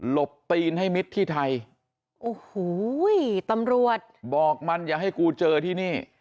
บตีนให้มิดที่ไทยโอ้โหตำรวจบอกมันอย่าให้กูเจอที่นี่